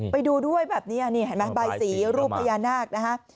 ไปดูด้วยแบบนี้บายสีรูปพญานาคนะฮะ